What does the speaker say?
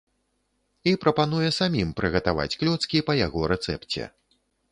І прапануе самім прыгатаваць клёцкі па яго рэцэпце.